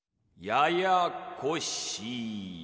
ややこしや。